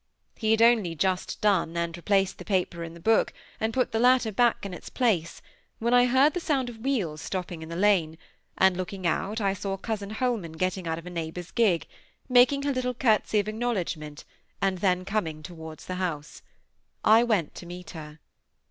He had only just done, and replaced the paper in the book, and put the latter back in its place, when I heard the sound of wheels stopping in the lane, and looking out, I saw cousin Holman getting out of a neighbour's gig, making her little curtsey of acknowledgment, and then coming towards the house. I went to meet her.